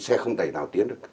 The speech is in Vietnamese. xe không tẩy nào tiến được